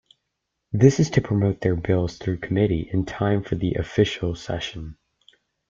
This is to promote their bills through committee in time for the official session.